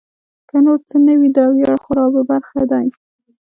که نور څه نه وي دا ویاړ خو را په برخه دی.